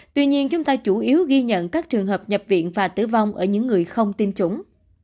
tuy nhiên chúng ta chủ yếu ghi nhận các trường hợp nhập viện và tử vong ở những người không tiêm chủng